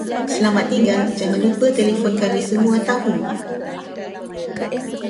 Selamat tinggal jangan lupa telefon kami semua tahu